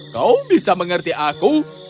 kau bisa mengerti aku